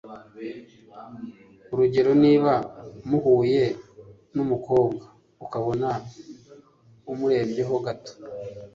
Urugero niba muhuye n'umukobwa ukabona amurebyeho gato